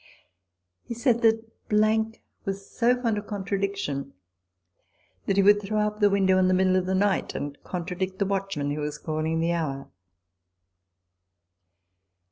He said that was so fond of contradiction, that he would throw up the window in the middle of the night, and contradict the watchman who was calling the hour.